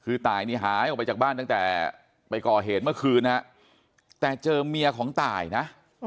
คือตายนี่หายออกไปจากบ้านตั้งแต่ไปก่อเหตุเมื่อคืนนะแต่เจอเมียของตายนะ